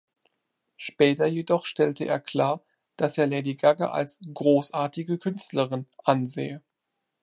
Später jedoch stellte er klar, dass er Lady Gaga als „großartige Künstlerin“ ansehe.